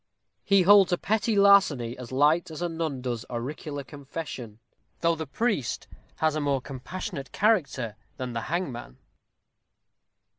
He holds a petit larceny as light as a nun does auricular confession, though the priest has a more compassionate character than the hangman.